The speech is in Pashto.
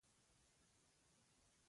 بیا به هم پوره خوشاله وي.